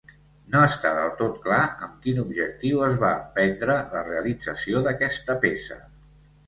No està del tot clar amb quin objectiu es va emprendre la realització d'aquesta peça.